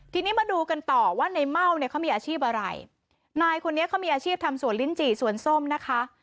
ทีนี้มาดูกันต่อว่าในเม่าเนี่ยเขามีอาชีพอะไรนายคนนี้เขามีอาชีพทำสวนลิ้นจี่สวนส้มนะคะ